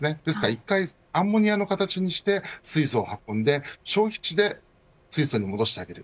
一回アンモニアの形にして水素を運んで消費地で水素に戻してあげる。